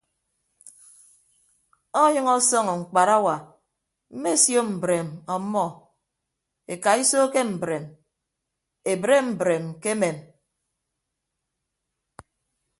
Ọnyʌñ ọsọñ mkparawa mmesio mbreem ọmmọ ekaiso ke mbreem ebre mbreem kemem.